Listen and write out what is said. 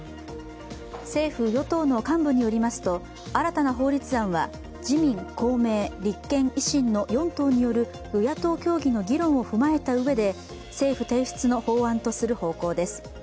政府・与党の幹部によりますと新たな法律案は自民、公明、立憲、維新の４党による与野党協議の議論を踏まえたうえで政府提出の法案とする方向です。